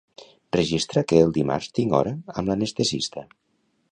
Registra que el dimarts tinc hora amb l'anestesista.